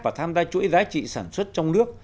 và tham gia chuỗi giá trị sản xuất trong nước